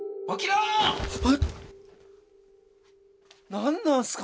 何なんすか？